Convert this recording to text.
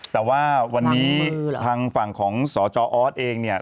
แต่ว่าวันนี้ทางฝั่งของสจออสเองเนี่ย